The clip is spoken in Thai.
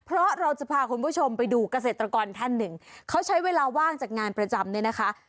เพราะเราจะพาคุณผู้ชมไปดูเกษตรกรท่านหนึ่งเขาใช้เวลาว่างจากงานประจำเนี่ยนะคะ